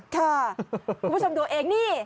คุณผู้ชมดูเองนี่